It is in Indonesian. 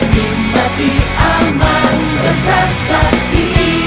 dimati aman bergab saksi